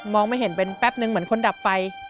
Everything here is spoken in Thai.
ไม่เห็นเป็นแป๊บนึงเหมือนคนดับไฟ